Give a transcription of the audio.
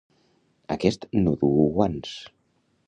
Aquest no duu guants!